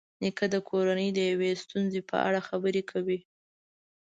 نیکه د کورنۍ د یوې ستونزې په اړه خبرې کوي.